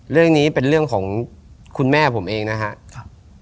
เรื่องนี้เป็นเรื่องของคุณแม่ผมเองนะครับ